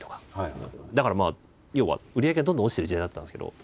だからまあ要は売り上げがどんどん落ちてる時代だったんですけど。